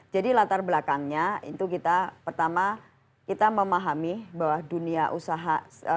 jadi latar belakangnya itu kita pertama kita memahami bahwa dunia usaha